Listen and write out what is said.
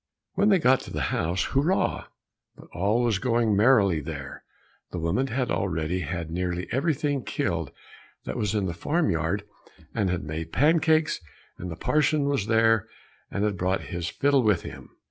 When they got to the house, hurrah! but all was going merry there! The woman had already had nearly everything killed that was in the farmyard, and had made pancakes, and the parson was there, and had brought his fiddle with him.